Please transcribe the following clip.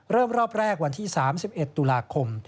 เริ่มรอบแรกวันที่๓๑ตุลาคม